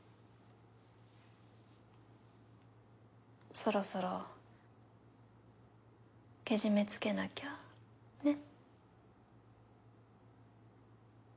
そろそろケジメつけなきゃねっ？